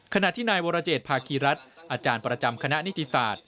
ขณะที่นายวรเจตภาคีรัฐอาจารย์ประจำคณะนิติศาสตร์